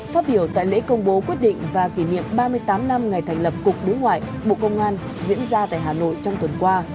phát biểu tại lễ công bố quyết định và kỷ niệm ba mươi tám năm ngày thành lập cục đối ngoại bộ công an diễn ra tại hà nội trong tuần qua